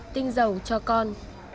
tinh dầu cho con